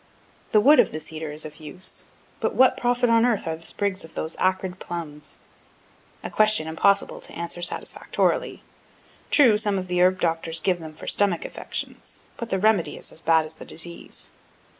The wood of the cedar is of use but what profit on earth are those sprigs of acrid plums? A question impossible to answer satisfactorily. True, some of the herb doctors give them for stomachic affections, but the remedy is as bad as the disease.